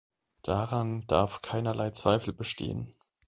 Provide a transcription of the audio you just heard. Daran darf keinerlei Zweifel bestehen.